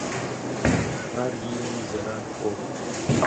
Ар и нэми зэран хуохъу.